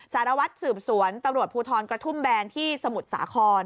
สารวัตรสืบสวนตำรวจภูทรกระทุ่มแบนที่สมุทรสาคร